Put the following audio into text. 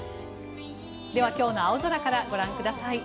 では今日の青空からご覧ください。